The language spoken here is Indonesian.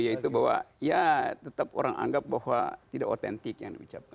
yaitu bahwa ya tetap orang anggap bahwa tidak otentik yang diucapkan